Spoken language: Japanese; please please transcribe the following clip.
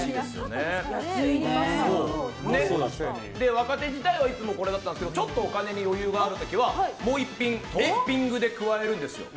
若手時代はいつもこれだったんですけどちょっとお金に余裕がある時はもう１品トッピングで加えるんですよ。